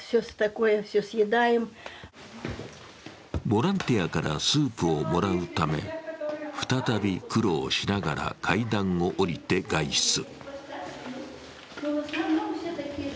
ボランティアからスープをもらうため再び苦労しながら階段を下りて外出。